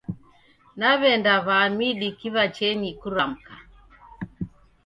Naw'enda w'a midi kiwachenyi kuramka.